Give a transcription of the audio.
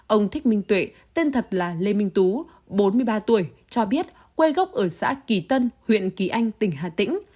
ông thích minh tuệ tên thật là lê minh tú bốn mươi ba tuổi cho biết quê gốc ở xã kỳ tân huyện kỳ anh tỉnh hà tĩnh